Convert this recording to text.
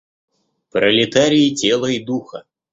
Пролетарии тела и духа.